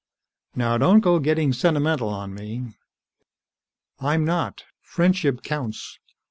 "Now, don't go getting sentimental on me " "I'm not. Friendship counts.